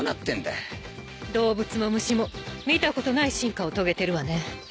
動物も虫も見たことない進化を遂げてるわね